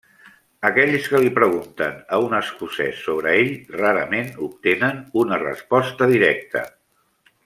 Aquells que li pregunten a un escocès sobre ell rarament obtenen una resposta directa.